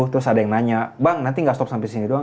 terus ada yang nanya bang nanti nggak stop sampai sini doang